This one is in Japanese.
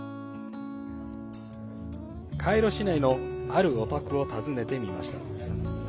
カイロ市内のあるお宅を訪ねてみました。